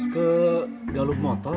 ke galuh motor